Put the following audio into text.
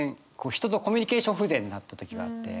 人とコミュニケーション不全になった時があって。